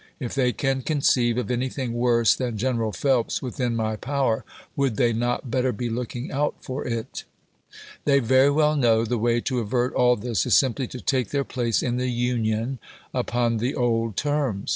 If they can conceive of anji^hing worse than Gen eral Phelps within my power, would they not better be looking out for it f They very well know the way to avert all this is simply to take their place in the Union upon the old terms.